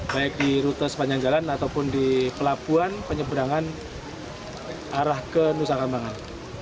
baik di rute sepanjang jalan ataupun di pelabuhan penyeberangan arah ke nusa kambangan